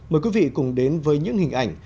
mời quý vị cùng đến với những hình ảnh